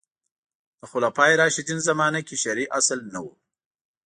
د خلفای راشدین زمانه کې شرعي اصل نه و